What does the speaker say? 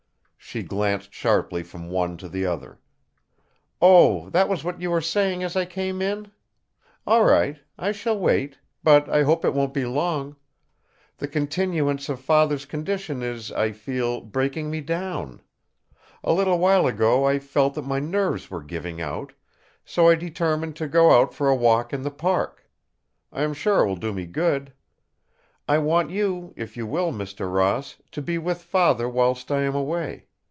She glanced sharply from one to the other. "Oh, that was what you were saying as I came in? All right! I shall wait; but I hope it won't be long. The continuance of Father's condition is, I feel, breaking me down. A little while ago I felt that my nerves were giving out; so I determined to go out for a walk in the Park. I am sure it will do me good. I want you, if you will, Mr. Ross, to be with Father whilst I am away.